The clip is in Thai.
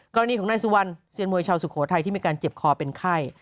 กรณีของนายสุวรรณเซียนมวยชาวสุโขทัยที่มีการเจ็บคอเป็นไข้